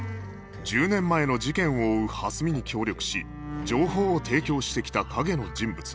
１０年前の事件を追う蓮見に協力し情報を提供してきた陰の人物